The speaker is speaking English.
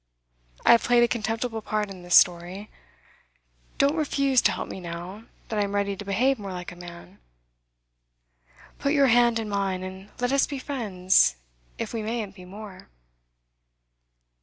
I have played a contemptible part in this story; don't refuse to help me now that I am ready to behave more like a man. Put your hand in mine, and let us be friends, if we mayn't be more.